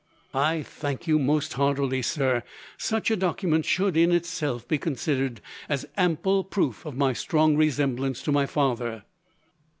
"I thank you most heartily, sir. Such a document should, in itself, be considered as ample proof of my strong resemblance to my father."